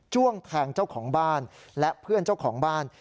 ้วงแทงเจ้าของบ้านและเพื่อนเจ้าของบ้าน